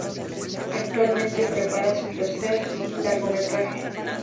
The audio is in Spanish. Actualmente prepara su tercer largometraje.